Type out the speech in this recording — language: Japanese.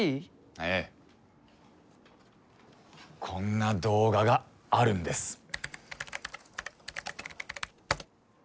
こんな動画があるんです。